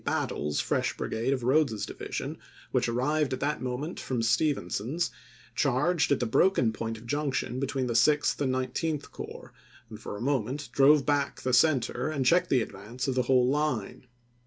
Battle's fresh brigade of Rodes's division, which arrived at that moment from Stephenson's, charged at the broken point of junction between the Sixth and Nineteenth Corps, and for a moment drove back the center and checked the advance of the whole line.